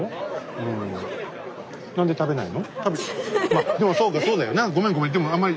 まあでもそうかそうだよな。すいません。